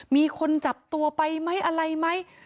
มีคนจับตัวไปไหมอะไรไหม